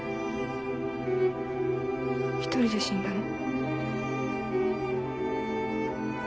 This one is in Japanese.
独りで死んだの。